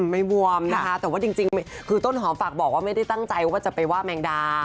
ไม่บวมนะคะแต่ว่าจริงคือต้นหอมฝากบอกว่าไม่ได้ตั้งใจว่าจะไปว่าแมงดา